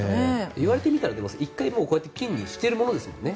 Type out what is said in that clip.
言われてみたら１回金にしてるものですもんね。